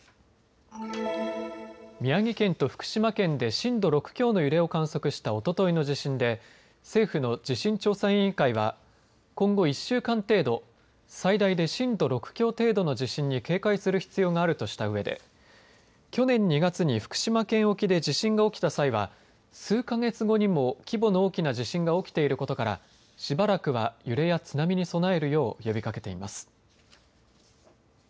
宮城県と福島県で震度６強の揺れを観測したおとといの地震で政府の地震調査委員会は今後１週間程度、最大で震度６強程度の地震に警戒する必要があるとしたうえで去年２月に福島県沖で地震が起きた際は数か月後にも規模の大きな地震が起きていることからしばらくは揺れや津波に備えるよう呼びかけています。